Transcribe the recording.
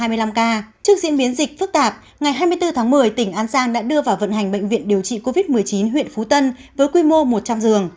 trước diễn biến dịch phức tạp ngày hai mươi bốn tháng một mươi tỉnh an giang đã đưa vào vận hành bệnh viện điều trị covid một mươi chín huyện phú tân với quy mô một trăm linh giường